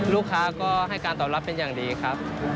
ลูกค้าก็ให้การตอบรับเป็นอย่างดีครับ